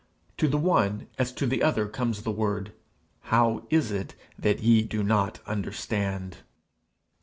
To the one as to the other comes the word, 'How is it that ye do not understand?'